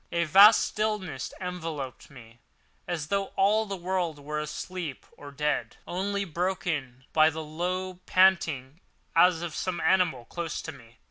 A vast stillness enveloped me, as though all the world were asleep or dead—only broken by the low panting as of some animal close to me.